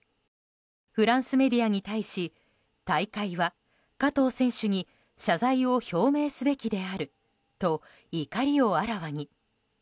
フランスメディアに対し大会は加藤選手に謝罪を表明すべきであると怒りをあらわに。